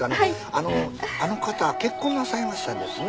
あのあの方結婚なさいましたですね？